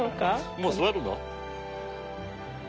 もう座るの？